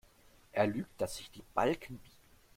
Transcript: Er lügt, dass sich die Balken biegen.